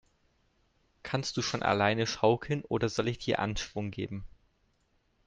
Kannst du schon alleine schaukeln, oder soll ich dir Anschwung geben?